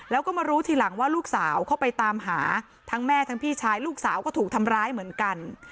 แล้วก็มารู้ทีหลังว่าลูกสาวเข้าไปตามหาทั้งแม่ทั้งพี่ชายลูกสาวก็ถูกทำร้ายเหมือนกัน